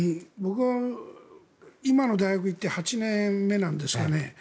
僕は今の大学行って８年目なんですがね。